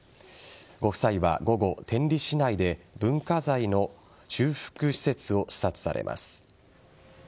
ご夫妻は午後、天理市内で文化財の修復施設を視察されます。